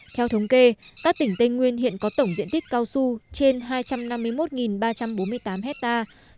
theo thống kê các tỉnh tây nguyên hiện có tổng diện tích cao su trên hai trăm năm mươi một ba trăm bốn mươi tám hectare